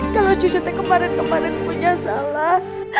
kalau cucu teh kemarin kemarin punya salah